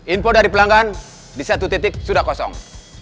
info dari pelanggan di satu titik sudah kosong